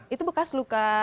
itu bekas luka